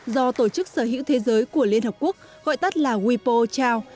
do tổ chức sở hữu thế giới của liên hợp quốc gọi tắt là wipo trao